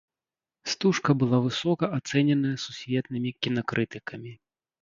Стужка была высока ацэненая сусветнымі кінакрытыкамі.